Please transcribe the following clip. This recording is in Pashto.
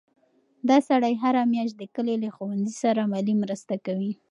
دا سړی هره میاشت د کلي له ښوونځي سره مالي مرسته کوي.